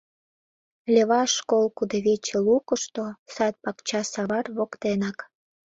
Леваш — школ кудывече лукышто, сад-пакча савар воктенак.